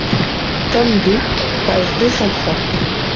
Tome deux, page deux cent trois.